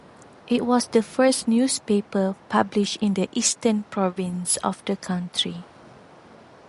It was the first newspaper published in the Eastern Province of the country.